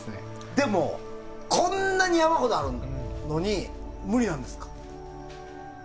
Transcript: でも、こんなに山ほどあるのに無理ですか。